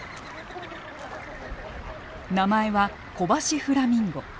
名前はコバシフラミンゴ。